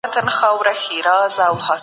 زده کوونکي په ټولګي کي ګرامر لولي.